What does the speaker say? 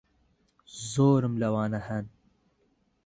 زۆرم لەوانە ھەن.